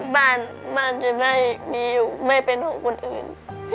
บ้านบ้านจะได้มีอยู่ไม่เป็นของคนอื่น